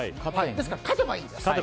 ですから勝てばいいんです。